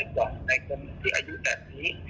การที่เป็นโรคปิดหัวใจ